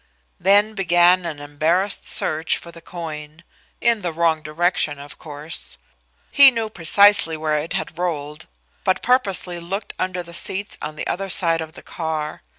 Then began an embarrassed search for the coin in the wrong direction, of course. He knew precisely where it had rolled, but purposely looked under the seats on the other side of the car.